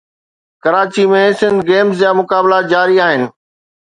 Karachi ۾ Sindh games جا مقابلا جاري آهن